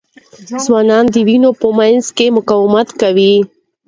ځوانان د وینې په مینځ کې مقاومت کوي.